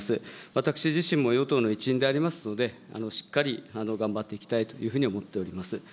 私自身も与党の一員でありますので、しっかり頑張っていきたいというふうに思っております。